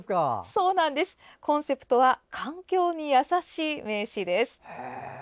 コンセプトは環境に優しい名刺です。